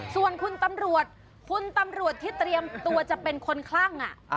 ส่วนคุณตำรวจคุณตำรวจที่เตรียมตัวจะเป็นคนคลั่ง